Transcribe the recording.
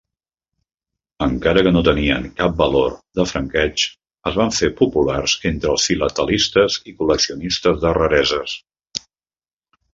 Encara que no tenien cap valor de franqueig, es van fer populars entre els filatelistes i col·leccionistes de rareses.